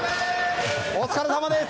お疲れさまです！